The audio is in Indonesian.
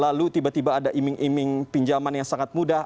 lalu tiba tiba ada iming iming pinjaman yang sangat mudah